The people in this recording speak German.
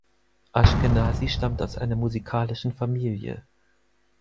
Aschkenasi stammt aus einer musikalischen Familie.